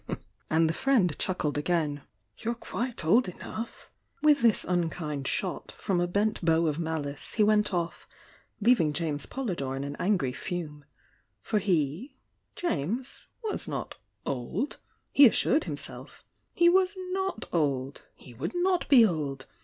"— and the friend chuckled again— "You're quite old enough!" With this unkind shot from a bent bow of malice he went off, leaving James Polydore in an angry fume. For he— James— was not "old"— he assured himself— he was not old,— he would not be old!